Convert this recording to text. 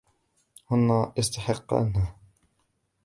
هن يستحقنه.